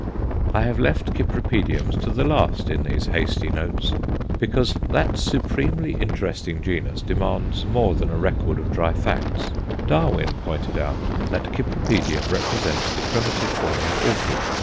I have left Cypripediums to the last, in these hasty notes, because that supremely interesting genus demands more than a record of dry facts. Darwin pointed out that Cypripedium represents the primitive form of orchid.